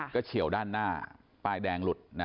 ก็เฉียวด้านหน้าป้ายแดงหลุด